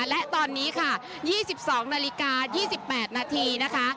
และตอนนี้ค่ะ๒๒นาฬิกา๒๘นาทีนะคะ